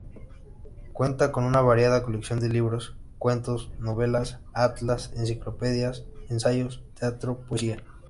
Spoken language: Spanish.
Cuenta con una variada colección de libros: cuentos, novelas, atlas, enciclopedias, ensayos, teatro, poesía.